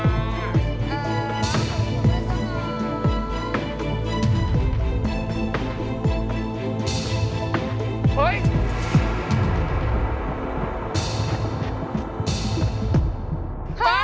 เออขอบคุณทุกคน